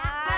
uap uap uap